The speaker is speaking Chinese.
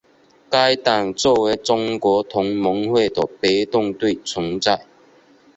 该党作为中国同盟会的别动队存在。